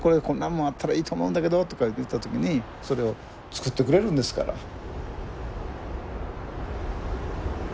こんなんもあったらいいと思うんだけどとか言った時にそれを作ってくれるんですから。